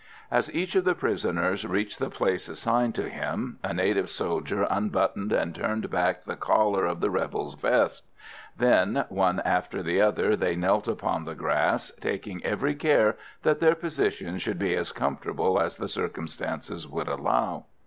As each of the prisoners reached the place assigned to him, a native soldier unbuttoned and turned back the collar of the rebel's vest; then, one after the other, they knelt upon the grass, taking every care that their position should be as comfortable as the circumstances would allow.